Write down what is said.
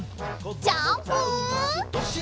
ジャンプ！